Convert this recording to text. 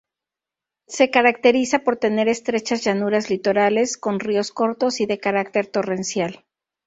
Se caracteriza por tener estrechas llanuras litorales, con ríos cortos y de carácter torrencial.